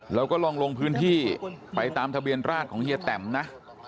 เราก็ลองลงพื้นที่ไปตามทะเบียนราชของเฮียแตมนะ